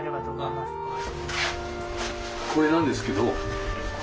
これなんですけど。